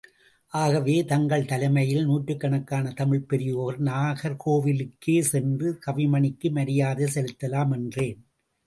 ஆகவே தங்கள் தலைமையில் நூற்றுக்கணக்கான தமிழ்ப் பெரியோர்கள் நாகர்கோவிலுக்கே சென்று கவிமணிக்கு, மரியாதை செலுத்தலாம் என்றேன்.